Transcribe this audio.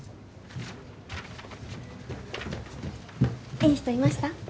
いい人いました？